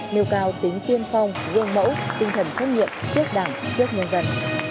nâng cao tính tiên phong gương mẫu tinh thần chất nghiệp trước đảng trước nhân dân